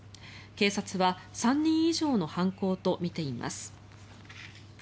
警察は３人以上の犯行とみています。